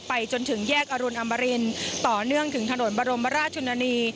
จนถึงแยกอรุณอมรินต่อเนื่องถึงถนนบรมราชชนนี